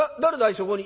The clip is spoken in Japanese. そこに。